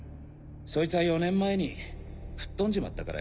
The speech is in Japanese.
そいつは４年前に吹っ飛んじまったからよ。